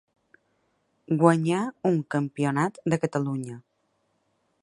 Guanyà un Campionat de Catalunya.